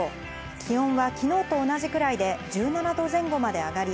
気温はきのうと同じくらいで１７度前後まで上がり、